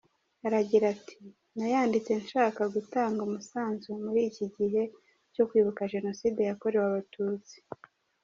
Aragira ati: "Nayanditse nshaka gutanga umusanzu muri iki gihe cyo kwibuka Jenoside yakorewe abatutsi".